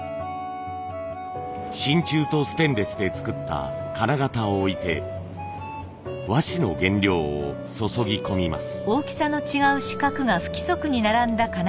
真鍮とステンレスで作った金型を置いて和紙の原料を注ぎ込みます。